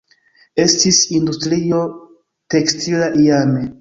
Estis industrio tekstila iame.